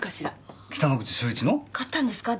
買ったんですか？